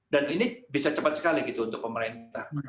dan ini bisa cepat sekali gitu untuk pemerintah